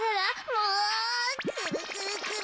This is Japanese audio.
もうくるくるくる。